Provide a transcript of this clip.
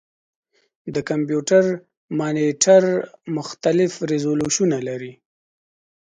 د کمپیوټر مانیټر مختلف ریزولوشنونه لري.